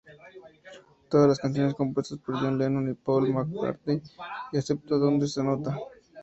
Todas las canciones compuestas por John Lennon y Paul McCartney excepto donde se anota.